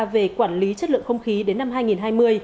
về quản lý chất lượng không khí đến năm hai nghìn hai mươi